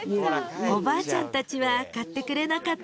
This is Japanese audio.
［おばあちゃんたちは買ってくれなかったけど］